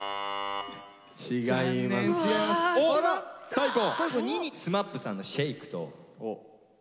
大光！